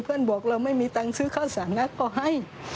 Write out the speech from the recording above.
บอกเราไม่มีตังค์ซื้อข้าวสารนะก็ให้